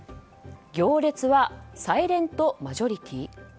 行列はサイレントマジョリティー？